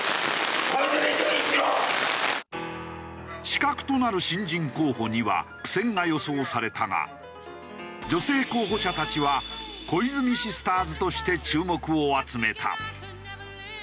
刺客となる新人候補には苦戦が予想されたが女性候補者たちは小泉シスターズとして注目を集めた。